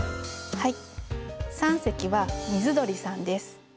はい。